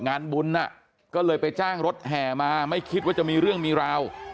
งานบุญก็เลยไปจ้างรถแห่มาไม่คิดว่าจะมีเรื่องมีราว